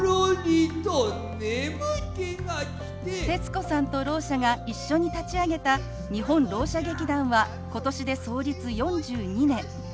徹子さんとろう者が一緒に立ち上げた日本ろう者劇団は今年で創立４２年。